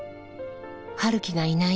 陽樹がいない